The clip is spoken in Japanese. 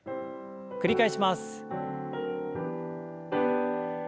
繰り返します。